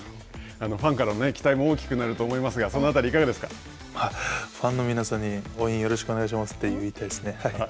ファンからの期待も大きくなると思いますがファンの皆さんに、応援よろしくお願いしますって言いたいですね。